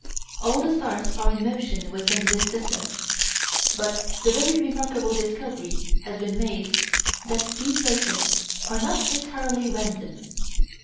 All the stars are in motion within this system, but the very remarkable discovery has been made that these motions are not entirely random.